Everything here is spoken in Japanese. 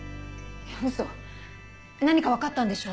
ウソ何か分かったんでしょ？